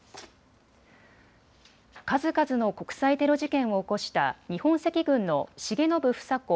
数々の国際テロ事件を起こした日本赤軍の重信房子